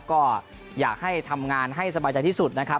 ก็อยากให้ทำงานให้สบายใจที่สุดนะครับ